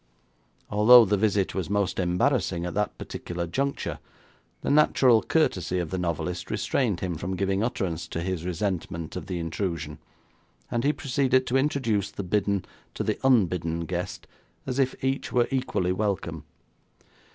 Although the visit was most embarrassing at that particular juncture, the natural courtesy of the novelist restrained him from giving utterance to his resentment of the intrusion, and he proceeded to introduce the bidden to the unbidden guest as if each were equally welcome.